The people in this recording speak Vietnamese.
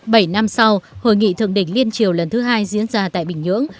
bảy năm sau hội nghị thượng đỉnh liên triều lần thứ hai diễn ra tại bình nhưỡng